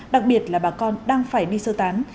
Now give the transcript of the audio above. đặc biệt là bà con đang phải đi sơ tán